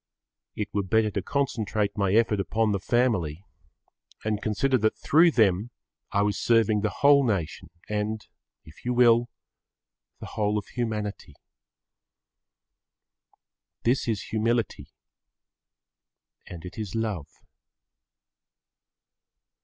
It were better to concentrate my effort upon the family and consider that through them I was serving the whole nation and, if you will, the whole of humanity. This is humility and it is love.